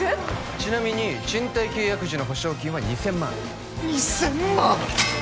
ちなみに賃貸契約時の保証金は２０００万２０００万！？